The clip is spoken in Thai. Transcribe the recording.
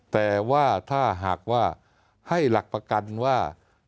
แต่ว่าถ้าหากว่าให้หลักประกันว่า